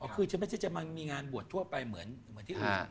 คือจะมีงานบวชทั่วไปเหมือนที่อื่น